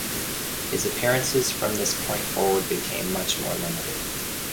His appearances from this point forward became much more limited.